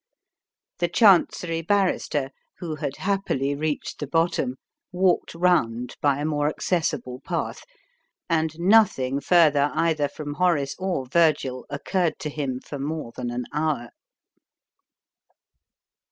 The Chancery Barrister, who had happily reached the bottom, walked round by a more accessible path, and nothing further either from Horace or Virgil occurred to him for more than an hour.